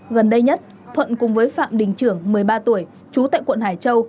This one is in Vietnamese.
gần đây nhất thuận cùng với phạm đình trưởng một mươi ba tuổi trú tại quận hải châu